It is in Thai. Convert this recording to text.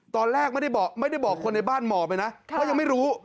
ตอนแรกไม่ได้บอกคนในบ้านหมอไปนะเพราะยังไม่รู้